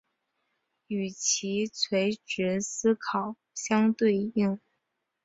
其与垂直思考相对应。